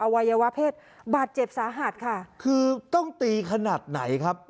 วัยวะเพศบาดเจ็บสาหัสค่ะคือต้องตีขนาดไหนครับ